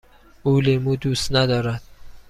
او لیمو دوست ندارد.